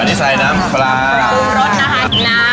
อันนี้ใส่น้ำปลารสฤษฐศ์นะคะ